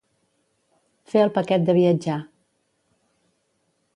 Fer el paquet de viatjar.